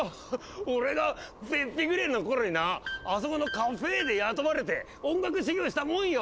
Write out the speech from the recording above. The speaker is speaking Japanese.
俺がピッピぐれえの頃になあそこのカフェーで雇われて音楽修業したもんよ。